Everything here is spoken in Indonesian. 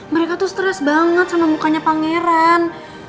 mereka tuh stres banget sama mukanya pangeran